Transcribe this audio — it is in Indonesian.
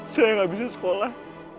saya gak bisa sekolah